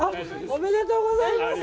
おめでとうございます。